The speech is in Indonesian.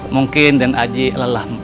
mungkin den aji lelah